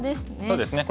そうですね。